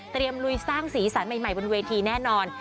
เตรียมลุยสร้างศีรษะใหม่บนเวทีแน่นอน